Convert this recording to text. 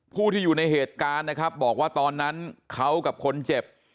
ผู้ที่อยู่ในเหตุการณ์นะครับบอกว่าตอนนั้นเขากับคนเจ็บ